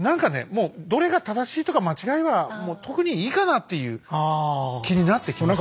もうどれが正しいとか間違いはもう特にいいかなっていう気になってきますね。